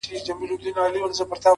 سترګې دې — کله نرمې، کله سختې،